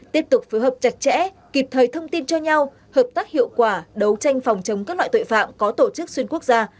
tiếp tục phối hợp chặt chẽ kịp thời thông tin cho nhau hợp tác hiệu quả đấu tranh phòng chống các loại tội phạm có tổ chức xuyên quốc gia